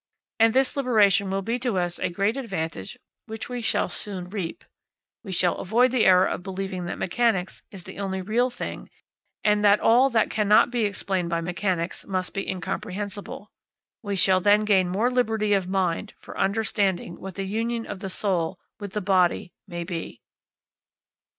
And this liberation will be to us a great advantage which we shall soon reap. We shall avoid the error of believing that mechanics is the only real thing and that all that cannot be explained by mechanics must be incomprehensible. We shall then gain more liberty of mind for understanding what the union of the soul with the body may be.